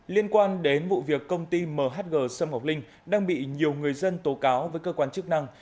liên quan đến vụ việc công ty mhg sâm ngọc linh đang bị nhiều người dân tố cáo với cơ quan chức năng